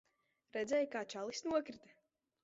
Redzēji, kā čalis nokrita?